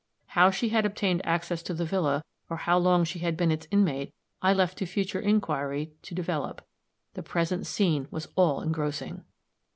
How she had obtained access to the villa, or how long she had been its inmate, I left to future inquiry to develop the present scene was all engrossing.